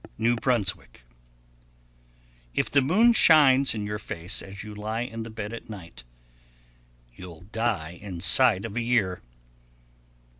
New Brunswick. 1111. If the moon shines in your face as you lie in the bed at night, you'll die inside of a year.